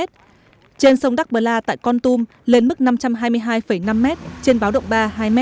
trên sông đắc bờ la tại con tum lên mức năm trăm hai mươi hai năm m trên báo động ba hai m